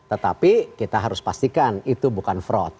tetapi kita harus pastikan itu bukan fraud